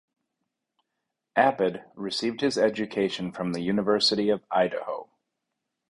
Abid received his education from the University of Idaho.